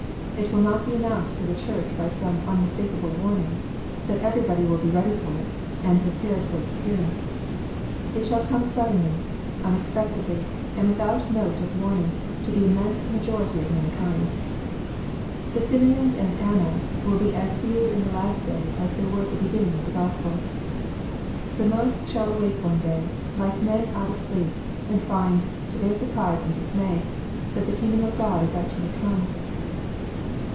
It will not be announced to the Church by such unmistakeable warnings, that everybody will be ready for it, and prepared for its appearing. It shall come suddenly, unexpectedly, and without note of warn ing to the immensie majority of mankind. The Simeons and Annas will be as few in the last day as they were at the beginning of the Gospel. The most shall awake one day, like men out of sleep, and find, to their surprise and dismay, that the kingdom of God is actually come.